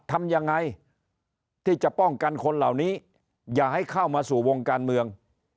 ทำยังไงที่จะป้องกันคนเหล่านี้อย่าให้เข้ามาสู่วงการเมือง